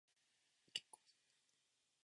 健康診断